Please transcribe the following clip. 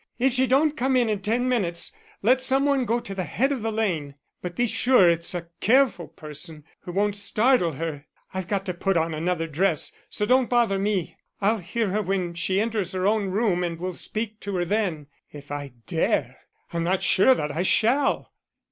"If she don't come in ten minutes, let some one go to the head of the lane. But be sure it's a careful person who won't startle her. I've got to put on another dress, so don't bother me. I'll hear her when she enters her own room and will speak to her then if I dare; I'm not sure that I shall."